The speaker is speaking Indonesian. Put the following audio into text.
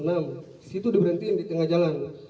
di situ di berhentiin di tengah jalan